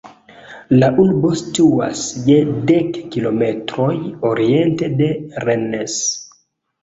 La urbo situas je dek kilometroj oriente de Rennes.